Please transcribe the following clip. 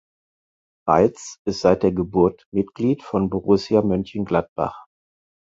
Reitz ist seit seiner Geburt Mitglied von Borussia Mönchengladbach.